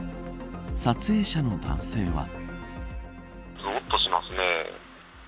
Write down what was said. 撮影者の男性は。